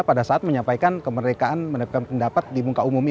pada saat menyampaikan kemerdekaan mendapatkan pendapat di muka umumnya